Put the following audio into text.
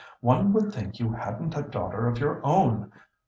One would think you hadn't a daughter of your own.